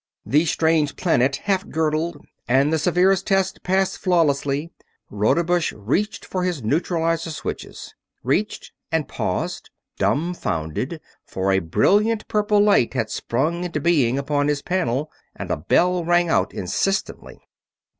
The strange planet half girdled and the severest tests passed flawlessly, Rodebush reached for his neutralizer switches. Reached and paused, dumbfounded, for a brilliant purple light had sprung into being upon his panel and a bell rang out insistently.